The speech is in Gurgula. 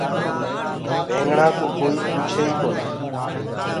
وآگنآ ڪوُ ڪوئيٚ پوڇي ئيٚ ڪونآ۔